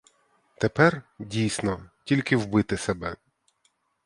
Тепер, дійсно, тільки вбити себе.